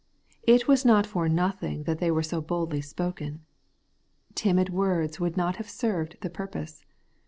It was not for nothing that they w^re so boldly spoken. Timid words would not have served the purpose.